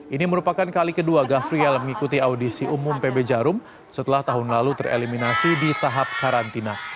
ini merupakan kali kedua gafriel mengikuti audisi umum pb jarum setelah tahun lalu tereliminasi di tahap karantina